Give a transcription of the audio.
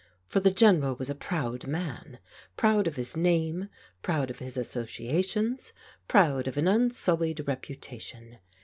For the General was a proud man, proud of his name, proud of his associations, proud of an unsullied reputa tion.